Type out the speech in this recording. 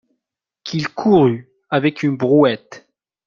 Qu'il courût avec une brouette!